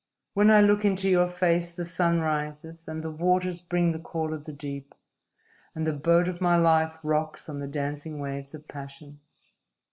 When I look into your face the sun rises, and the waters bring the call of the deep, and the boat of my life rocks on the dancing waves of passion!"